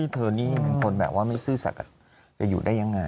เธอนี่เป็นคนแบบว่าไม่ซื่อสัตว์จะอยู่ได้ยังไง